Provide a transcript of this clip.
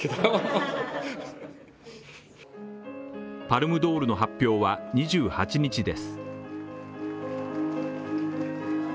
パルムドールの発表は２８日です。